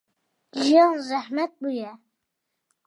Jiyan zehmet bûye.